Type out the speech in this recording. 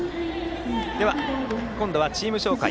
では、今度はチーム紹介